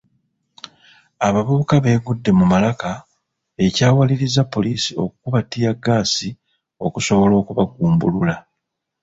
Abavubuka beegudde mu malaka ekyawalirizza poliisi okukuba ttiyaggaasi okusobola okubagumbulula.